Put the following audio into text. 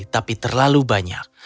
tapi terlalu banyak